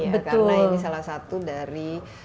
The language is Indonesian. karena ini salah satu dari